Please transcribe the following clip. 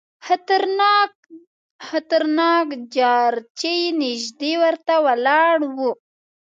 خطرناک جارچي نیژدې ورته ولاړ وو.